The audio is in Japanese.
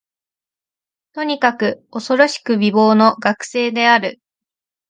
とにかく、おそろしく美貌の学生である